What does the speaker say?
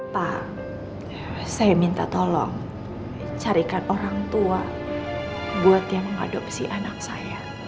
pak saya minta tolong carikan orang tua buat yang mengadopsi anak saya